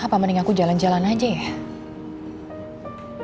apa mending aku jalan jalan aja ya